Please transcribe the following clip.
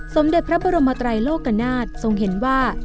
สมเด็จพระบรมไตรโลกนาฏทรงเห็นว่า